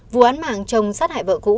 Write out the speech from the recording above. vụ án mạng chồng sát hại vợ cũ